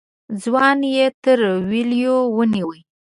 ځوان يې تر وليو ونيو.